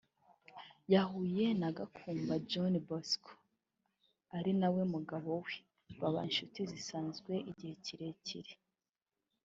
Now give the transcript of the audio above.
yahuye na Gakumba John Bosco (ari nawe mugabo we) baba inshuti zisanzwe igihe kirekire